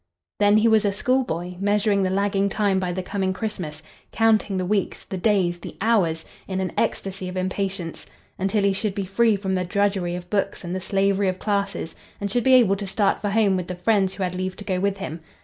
Then he was a schoolboy, measuring the lagging time by the coming Christmas; counting the weeks, the days, the hours in an ecstasy of impatience until he should be free from the drudgery of books and the slavery of classes, and should be able to start for home with the friends who had leave to go with him.